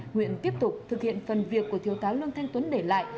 nguyện tiếp tục thực hiện phần việc của thiếu tá lương thanh tuấn để lại